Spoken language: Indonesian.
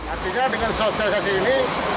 artinya dengan sosialisasi ini